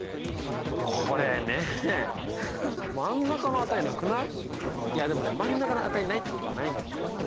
これねいやでもね真ん中の値ないってことはないのよ。